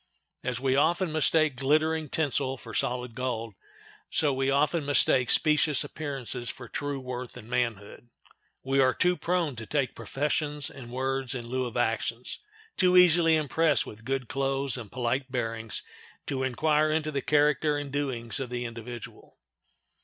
As we often mistake glittering tinsel for solid gold, so we often mistake specious appearances for true worth and manhood. We are too prone to take professions and words in lieu of actions; too easily impressed with good clothes and polite bearings to inquire into the character and doings of the individual.